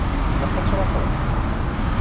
Ilaq ad truḥeḍ.